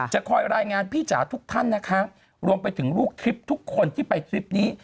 จะคอยรายงานพี่จ๋าทุกท่านนะคะรวมไปถึงลูกทริปทุกคนที่ไปทริปนี้